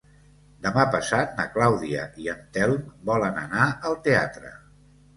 Demà passat na Clàudia i en Telm volen anar al teatre.